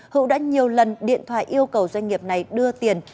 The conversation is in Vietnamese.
hữu đã nhiều lần điện thoại yêu cầu doanh nghiệp này đưa tiền